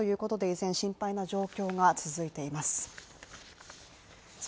依然、心配な状況が続いています。